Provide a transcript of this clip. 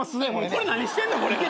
これ何してんの？